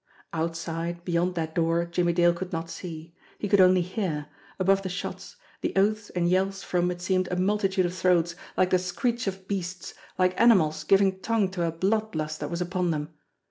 Outside, beyond that door, Jimmie Dale could not see. He could only hear above the shots the oaths and yells from, it seemed, a multitude of throats, like the screech of 294 JIMMIE DALE AND THE PHANTOM CLUE beasts, like animals giving tongue to a blood lust that was upon them.